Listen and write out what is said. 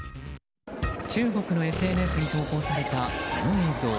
中国のＳＮＳに投稿されたこの映像。